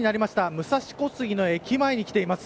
武蔵小杉の駅前に来ています。